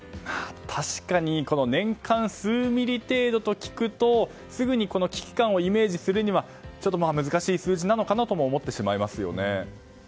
確かに年間数ミリ程度と聞くとすぐに危機感をイメージするのはちょっと難しい数字なのかもと思ってしまいます。